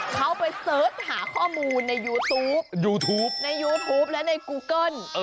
เขาไปเสิร์ชหาข้อมูลในยูทูปยูทูปในยูทูปและในกูเกิ้ล